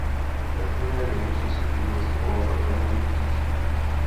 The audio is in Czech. Ve druhé nejvyšší soutěži nastupoval za Baník Děčín.